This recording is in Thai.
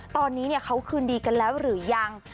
ตอนนี้เขาคืนดีกันแล้วหรือยัง